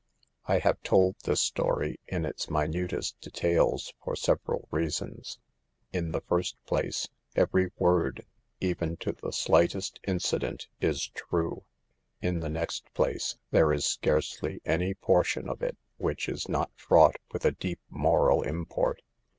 I have told this story in its minutest details for several reasons. In the first place, every word, even to the slightest incident, is true. In the next place, there is scarcely any portion of it which is not fraught with a deep moral import.